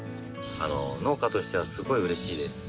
農家としてはすごいうれしいです。